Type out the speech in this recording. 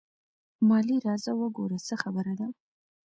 مالې راځه وګوره څه خبره ده.